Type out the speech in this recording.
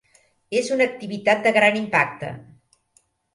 És una activitat de gran impacte.